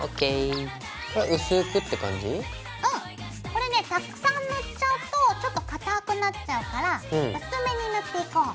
これねたくさん塗っちゃうとちょっとかたくなっちゃうから薄めに塗っていこう。